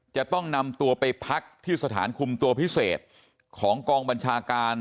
จะต้องนำตัวไปพักที่สถานคุมตัวพิเศษของกองบัญชาการ